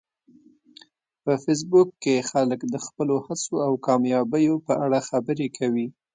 په فېسبوک کې خلک د خپلو هڅو او کامیابیو په اړه خبرې کوي